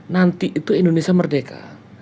nanti itu indonesia merdeka